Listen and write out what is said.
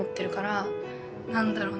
何だろう。